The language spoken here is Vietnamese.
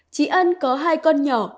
chị ân có hai con nhỏ